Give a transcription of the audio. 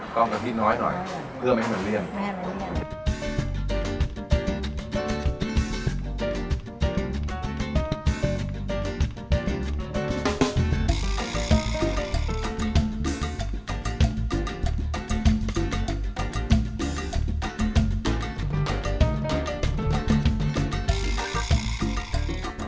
ต้องกะทิน้อยหน่อยเพื่อไม่ให้เหมือนเลี่ยนไม่ให้เหมือนเลี่ยน